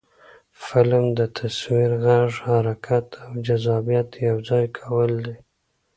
فلم د تصویر، غږ، حرکت او جذابیت یو ځای کول دي